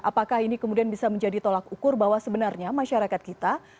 apakah ini kemudian bisa menjadi tolak ukur bahwa sebenarnya masyarakat kita